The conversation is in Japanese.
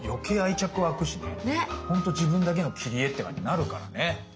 ほんと自分だけの切り絵って感じになるからね。